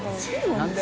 何で？